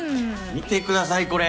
見てくださいこれ。